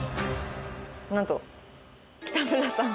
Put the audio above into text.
なんと北村さん。